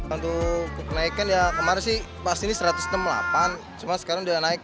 untuk kenaikan ya kemarin sih pas ini satu ratus enam puluh delapan cuma sekarang udah naik satu ratus tujuh puluh dua